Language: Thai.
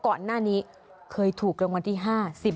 ก่อนหน้านี้เคยถูกรางวัลที่๕